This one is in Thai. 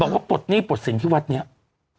บอกว่าปลดนี้ปลดสินที่วัดเนี่ยเฮ้ย